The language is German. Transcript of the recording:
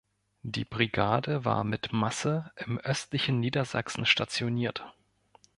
Die Brigade war mit Masse im östlichen Niedersachsen stationiert.